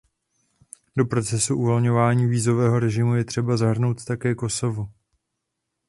Do procesu uvolňování vízového režimu je třeba zahrnout také Kosovo.